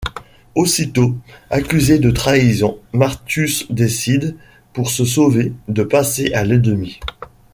Aussitôt accusé de trahison, Martius décide, pour se sauver, de passer à l'ennemi.